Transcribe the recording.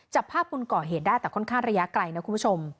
จับภาพคนก่อเหตุได้แต่ค่อนข้างระยะไกลนะคุณผู้ชม